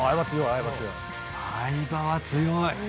相葉は強い！